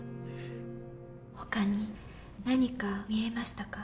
ほかに何か見えましたか？